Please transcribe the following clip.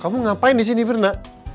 kamu ngapain disini berna